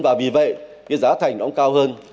và vì vậy cái giá thành nó cũng cao hơn